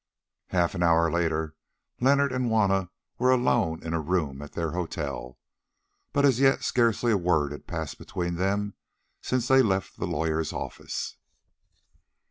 Half an hour later Leonard and Juanna were alone in a room at their hotel, but as yet scarcely a word had passed between them since they left the lawyer's office.